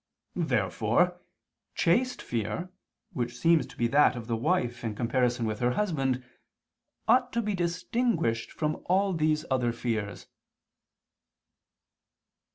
Therefore chaste fear, which seems to be that of the wife in comparison with her husband, ought to be distinguished from all these other fears.